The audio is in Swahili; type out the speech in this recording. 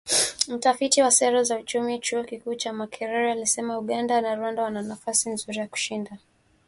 Mtafiti wa Sera za Uchumi, Chuo Kikuu cha Makerere, alisema Uganda na Rwanda wana nafasi nzuri ya kushinda.